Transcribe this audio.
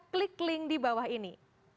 klik link di bawah ini